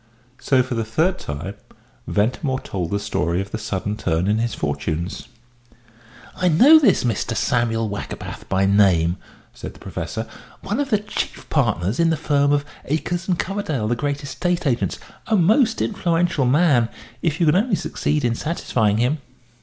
So, for the third time, Ventimore told the story of the sudden turn in his fortunes. "I know this Mr. Samuel Wackerbath by name," said the Professor; "one of the chief partners in the firm of Akers and Coverdale, the great estate agents a most influential man, if you can only succeed in satisfying him."